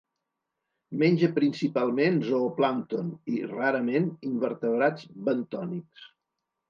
Menja principalment zooplàncton i, rarament, invertebrats bentònics.